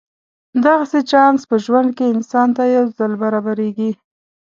دغسې چانس په ژوند کې انسان ته یو ځل برابرېږي.